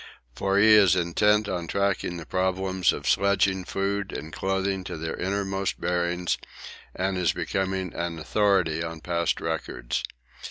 For he is intent on tracking the problems of sledging food and clothing to their innermost bearings and is becoming an authority on past records.